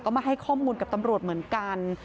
ก็มาให้ข้อมูลกับตำรวจเหมือนกัน